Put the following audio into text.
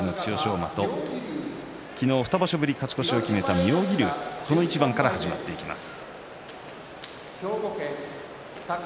馬と、昨日２場所ぶり勝ち越しを決めた妙義龍、この一番から始まっていきます。